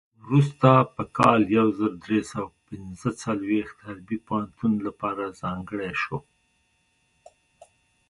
وروسته په کال یو زر درې سوه پنځه څلوېښت حربي پوهنتون لپاره ځانګړی شو.